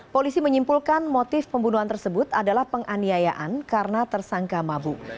polisi menyimpulkan motif pembunuhan tersebut adalah penganiayaan karena tersangka mabuk